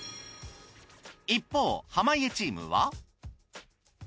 一方濱家チームは？